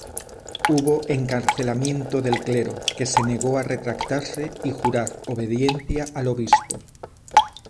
Hubo encarcelamiento del clero que se negó a retractarse y jurar obediencia al obispo.